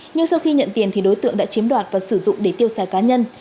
nhưng sau khi nhận tiền thì đối tượng đã chiếm đoạt và sử dụng để tiêu xài cá nhân